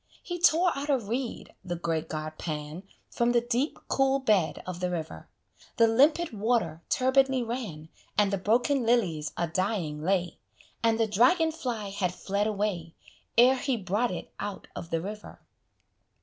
He tore out a reed, the great god Pan From the deep, cool bed of the river: The limpid water turbidly ran, And the broken lilies a dying lay, And the dragon fly had fled away, Ere he brought it out of the river.